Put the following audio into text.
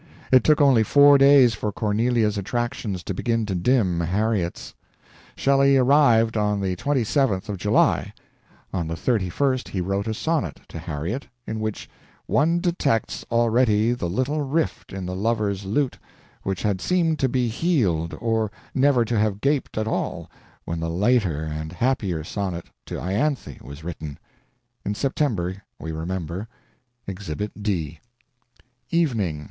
It took only four days for Cornelia's attractions to begin to dim Harriet's. Shelley arrived on the 27th of July; on the 31st he wrote a sonnet to Harriet in which "one detects already the little rift in the lover's lute which had seemed to be healed or never to have gaped at all when the later and happier sonnet to Ianthe was written" in September, we remember: Exhibit D "EVENING.